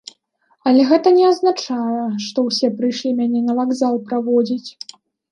Але гэта не азначае, што ўсе прыйшлі мяне на вакзал праводзіць.